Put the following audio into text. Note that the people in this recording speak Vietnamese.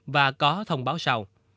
và có thông báo sau